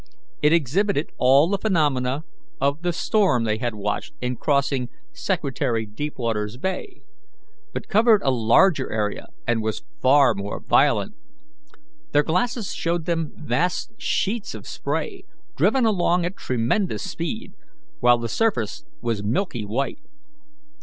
It exhibited all the phenomena of the storm they had watched in crossing Secretary Deepwaters Bay, but covered a larger area, and was far more violent. Their glasses showed them vast sheets of spray driven along at tremendous speed, while the surface was milky white.